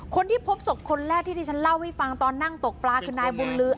คนที่พบศพคนแรกที่ที่ฉันเล่าให้ฟังตอนนั่งตกปลาคือนายบุญลือ